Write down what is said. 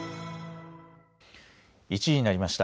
１時になりました。